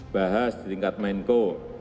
bahas di tingkat menko